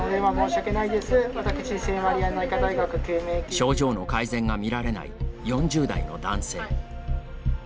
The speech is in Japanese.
症状の改善が見られない４０代の男性。